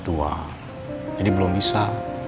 jadi belum bisa